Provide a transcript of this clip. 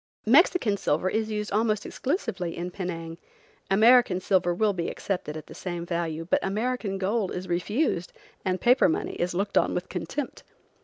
Mexican silver is used almost exclusively in Penang. American silver will be accepted at the same value, but American gold is refused and paper money is looked on with contempt.